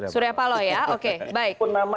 surepalo ya oke baik